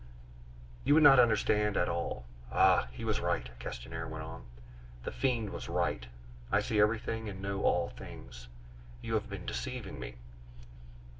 "You would not understand it at all.... Ah! he was right," Castanier went on, "the fiend was right! I see everything and know all things. You have been deceiving me!"